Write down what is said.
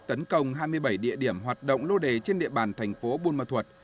tấn công hai mươi bảy địa điểm hoạt động lô đề trên địa bàn thành phố buôn ma thuật